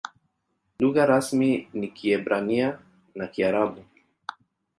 Lugha rasmi ni Kiebrania na Kiarabu.